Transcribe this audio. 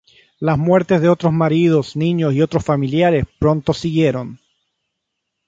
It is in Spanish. Las muertes de otros maridos, niños y otros familiares pronto siguieron.